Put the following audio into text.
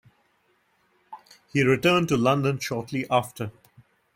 He returned to London shortly after.